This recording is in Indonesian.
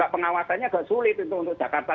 pengawasannya agak sulit untuk jakarta